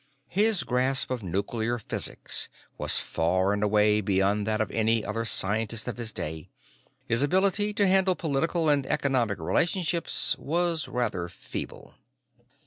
His grasp of nuclear physics was far and away beyond that of any other scientist of his day; his ability to handle political and economic relationships was rather feeble.